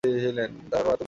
আর মারাত্মক ব্যথা করছে।